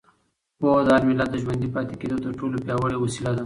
پوهه د هر ملت د ژوندي پاتې کېدو تر ټولو پیاوړې وسیله ده.